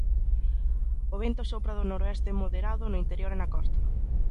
O vento sopra do noroeste moderado no interior e na costa.